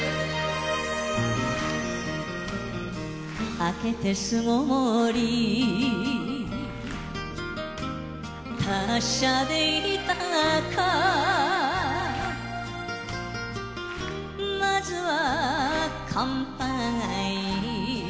明けて巣ごもり達者でいたか先ずは乾杯！